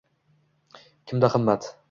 Kimda himmat